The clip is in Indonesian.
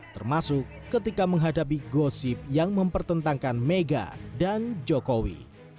termasuk ketika menghadapi gosip yang mempertentangkan mega dan jokowi